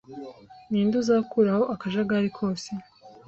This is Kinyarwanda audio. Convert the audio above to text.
Ninde uzakuraho akajagari kose?